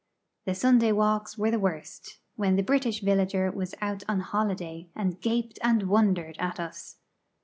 The Sunday walks were the worst; when the British villager was out on holiday, and gaped and wondered at us.